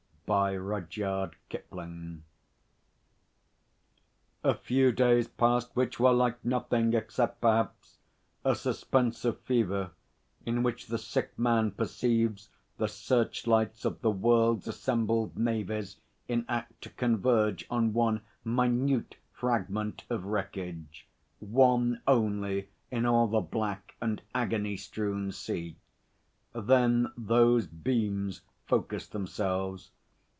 A few days passed which were like nothing except, perhaps, a suspense of fever in which the sick man perceives the searchlights of the world's assembled navies in act to converge on one minute fragment of wreckage one only in all the black and agony strewn sea. Then those beams focussed themselves.